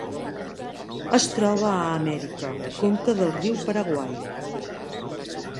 Es troba a Amèrica: conca del riu Paraguai.